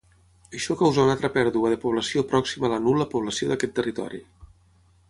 Això causà una alta pèrdua de població pròxima a la nul·la població d'aquest territori.